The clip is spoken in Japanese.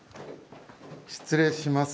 失礼します。